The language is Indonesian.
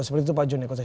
seperti itu pak jun ya